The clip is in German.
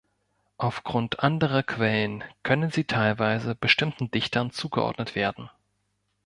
Aufgrund anderer Quellen können sie teilweise bestimmten Dichtern zugeordnet werden.